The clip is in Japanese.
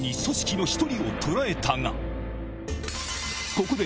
ここで